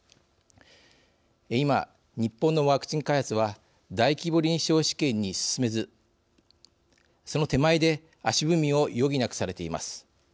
今、日本のワクチン開発は大規模臨床試験に進めずその手前で足踏みを余儀なくされています。